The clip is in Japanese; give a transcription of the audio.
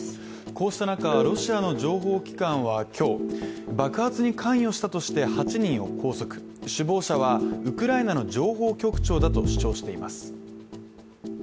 こうした中、ロシアの情報機関は今日、爆発に関与したとして８人を拘束、首謀者はウクライナの情報局長だと主張しています。